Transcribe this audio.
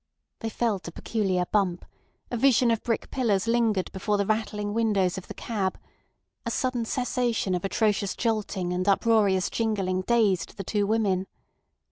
They felt a peculiar bump; a vision of brick pillars lingered before the rattling windows of the cab; a sudden cessation of atrocious jolting and uproarious jingling dazed the two women.